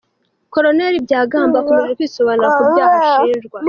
Col Byabagamba akomeje kwisobanura ku byaha ashinjwa.